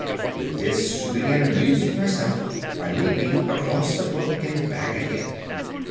With this she began amusing herself by leaping across the brook and back again.